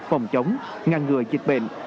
phòng chống ngăn ngừa dịch bệnh